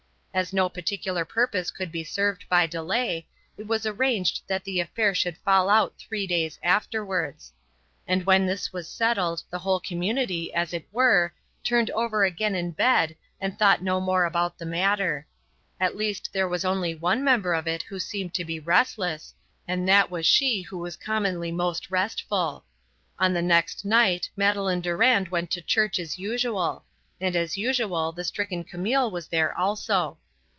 As no particular purpose could be served by delay, it was arranged that the affair should fall out three days afterwards. And when this was settled the whole community, as it were, turned over again in bed and thought no more about the matter. At least there was only one member of it who seemed to be restless, and that was she who was commonly most restful. On the next night Madeleine Durand went to church as usual; and as usual the stricken Camille was there also.